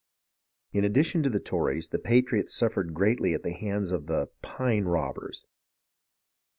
In addition to the Tories, the patriots suffered greatly at the hands of the " Pine Robbers."